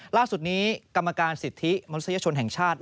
ล่าสุดนี้กรรมการสิทธิมนุษยชนแห่งชาติ